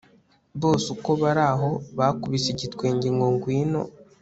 Bose uko baraho bakubise igitwenge ngo ngwino